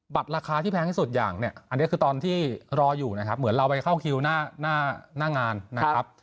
ราคาที่แพงที่สุดอย่างเนี่ยอันนี้คือตอนที่รออยู่นะครับเหมือนเราไปเข้าคิวหน้างานนะครับ